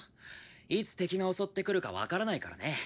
いつ敵が襲ってくるか分からないからね。